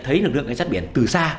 thấy lực lượng cảnh sát biển từ xa